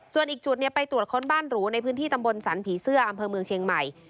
ส่วนอีกจุดไปตรวจค้นบ้านหรูในพื้นที่ตำบลสันผีเสื้ออำเภอเมืองเชียงใหม่